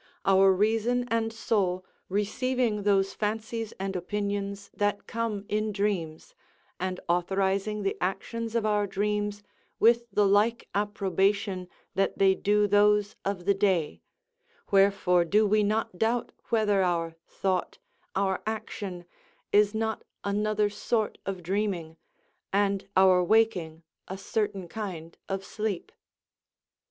Our reason and soul receiving those fancies and opinions that come in dreams, and authorizing the actions of our dreams with the like approbation that they do those of the day, wherefore do we not doubt whether our thought, our action, is not another sort of dreaming, and our waking a certain kind of sleep?